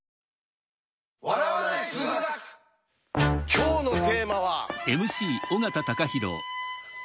今日のテーマは。